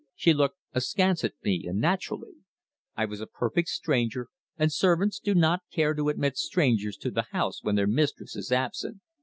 She looked askance at me, and naturally. I was a perfect stranger, and servants do not care to admit strangers to the house when their mistress is absent.